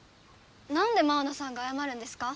なんでマウナさんがあやまるんですか？